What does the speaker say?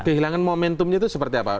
kehilangan momentumnya itu seperti apa